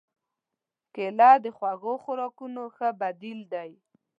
کېله د خوږو خوراکونو ښه بدیل دی.